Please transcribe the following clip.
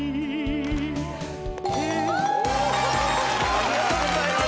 ありがとうございます。